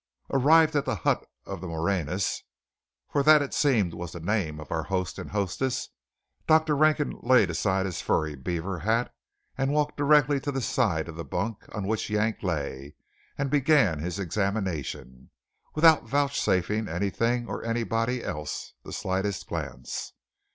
Arrived at the hut of the Moreñas, for that it seemed was the name of our host and hostess, Dr. Rankin laid aside his furry beaver hat, walked directly to the side of the bunk on which Yank lay, and began his examination, without vouchsafing anything or anybody else the slightest glance.